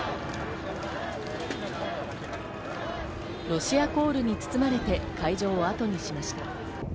ロシアコールに包まれて会場をあとにしました。